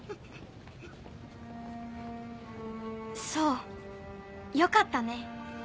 そうよかったね。